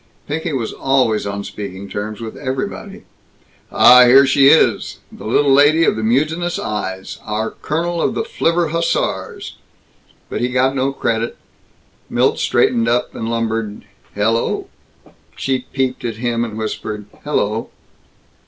Pinky was always on speaking terms with everybody. "Ah, here she is! The little lady of the mutinous eyes! Our colonel of the flivver hussars!" But he got no credit. Milt straightened up and lumbered, "Hel lo!" She peeped at him and whispered, "Hel lo!"